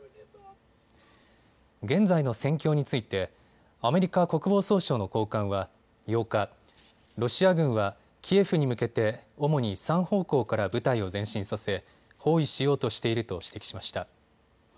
現在の戦況についてアメリカ国防総省の高官は８日、ロシア軍はキエフに向けて主に３方向から部隊を前進させ包囲しようとしていると指摘しました。